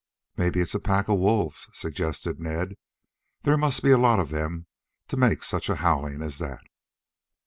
"Maybe it's a pack of wolves," suggested Ned. "There must be a lot of them to make such a howling as that."